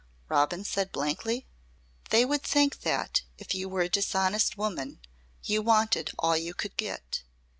Robin said blankly. "They would think that if you were a dishonest woman you wanted all you could get.